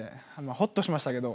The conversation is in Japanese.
ほっとしましたけど。